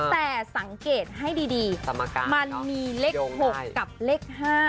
แต่สังเกตให้ดีมันมีเลข๖กับเลข๕